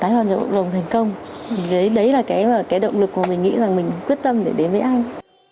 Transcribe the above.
đấy là cái động lực mà mình nghĩ rằng mình quyết tâm để đến với anh